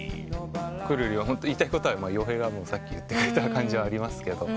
くるりはホント言いたいことは洋平がさっき言ってくれた感じはありますけど。